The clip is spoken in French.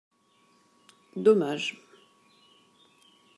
Dommage